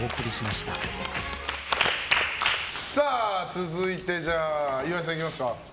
続いて、岩井さんいきますか。